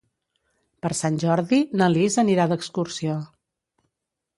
Per Sant Jordi na Lis anirà d'excursió.